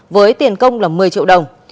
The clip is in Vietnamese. với tiền công là một mươi triệu đồng